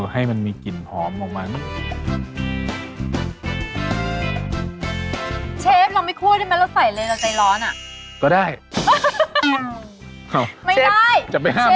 ถั่วถั่วจะสุกงาก็ไม่เสร็จแล้ว